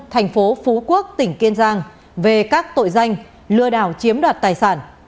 thành phố phú quốc tỉnh kiên giang về các tội danh lừa đảo chiếm đoạt tài sản